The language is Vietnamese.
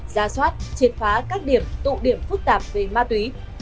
ra soát triệt phá các điểm tụ điểm phức tạp về ma túy